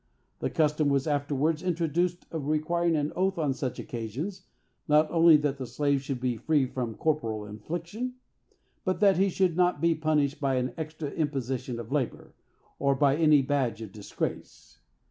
The custom was afterwards introduced of requiring an oath on such occasions, not only that the slave should be free from corporeal infliction, but that he should not be punished by an extra imposition of labor, or by any badge of disgrace.